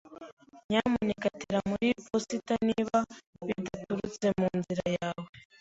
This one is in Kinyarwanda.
Nyamuneka tera muri posita niba bidaturutse munzira yawe.